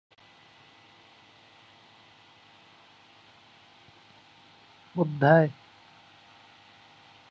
মাহে নদীর তীর বরাবর হেঁটে যাওয়ার রাস্তাটি মনোরম ও পর্যটক আকর্ষণের অন্যতম কারণ।